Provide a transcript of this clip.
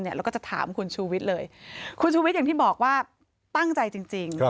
แล้วก็จะถามคุณชูวิทย์เลยคุณชูวิทย์อย่างที่บอกว่าตั้งใจจริง